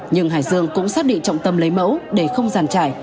nhưng hải dương cũng xác định trọng tâm lấy mẫu để không giàn trải